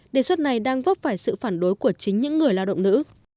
đề xuất này đang vấp phải sự phản đối của chính những người lao động nữ